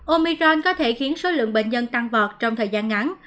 omicron có thể khiến số lượng bệnh nhân tăng vỏ trong thời gian ngắn